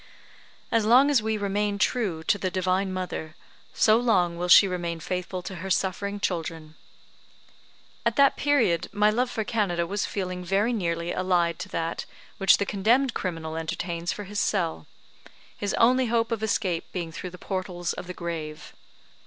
As long as we remain true to the Divine Mother, so long will she remain faithful to her suffering children. At that period my love for Canada was a feeling very nearly allied to that which the condemned criminal entertains for his cell his only hope of escape being through the portals of the grave.